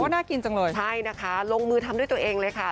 น่ากินจังเลยใช่นะคะลงมือทำด้วยตัวเองเลยค่ะ